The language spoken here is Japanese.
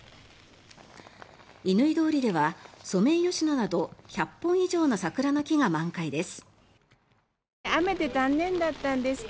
乾通りではソメイヨシノなど１００本以上の桜の木が満開です。